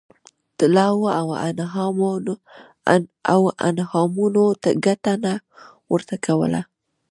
طلاوو او انعامونو ګټه نه ورته کوله.